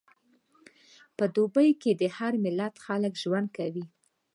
په دوبی کې د هر ملت خلک ګډ ژوند کوي.